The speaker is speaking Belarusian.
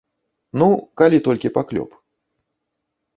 Ну, калі толькі паклёп.